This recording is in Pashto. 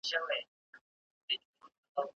¬ د خره په تندي کي محراب نه وي.